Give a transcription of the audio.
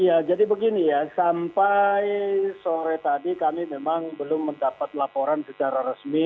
ya jadi begini ya sampai sore tadi kami memang belum mendapat laporan secara resmi